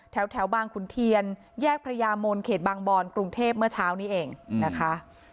แถวบางขุนเทียนแยกพระยามนเขตบางบอนกรุงเทพเมื่อเช้านี้เองนะคะ